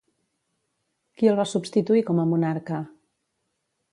Qui el va substituir com a monarca?